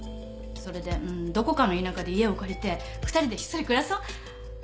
それでうんどこかの田舎で家を借りて２人でひっそり暮らそう。